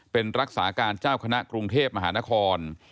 เป็นรักษาการเจ้าคณะกรุงเทพมหานคร